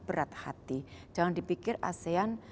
berat hati jangan dipikir asean